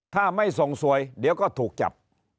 ถ้าไม่ส่งสวยเดี๋ยวก็ถูกจับ